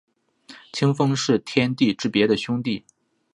清风是天地之别的兄弟。